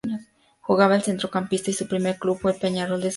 Jugaba de centrocampista y su primer club fue el Peñarol de su país.